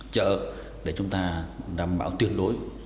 chợ để chúng ta đảm bảo tuyệt lỗi